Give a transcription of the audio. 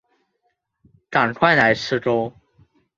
赶快来吃钩